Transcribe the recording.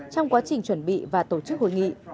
trong quá trình chuẩn bị và tổ chức hội nghị